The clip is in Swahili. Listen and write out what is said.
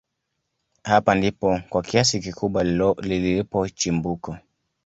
hapa ndipo kwa kiasi kikubwa lilipo chimbuko